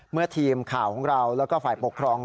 เมื่อทีมข่าวของเราแล้วก็ฝ่ายปกครอง